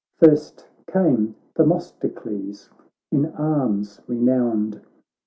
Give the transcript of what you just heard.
First came Themistocles, in arms re nowned.